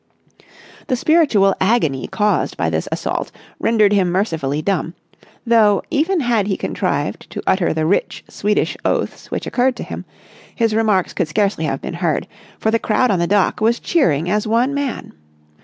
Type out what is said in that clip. The spiritual agony caused by this assault rendered him mercifully dumb; though, even had he contrived to utter the rich Swedish oaths which occurred to him, his remarks could scarcely have been heard, for the crowd on the dock was cheering as one man.